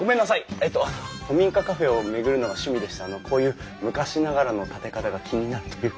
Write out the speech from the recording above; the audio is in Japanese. えっと古民家カフェを巡るのが趣味でしてあのこういう昔ながらの建て方が気になるというか。